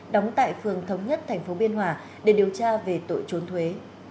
đóng tại phường thống nhất tp biên hòa để điều tra về tội trốn thuế